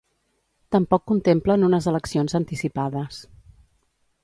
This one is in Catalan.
Tampoc contemplen unes eleccions anticipades.